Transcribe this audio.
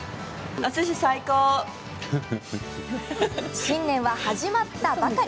新年は始まったばかり。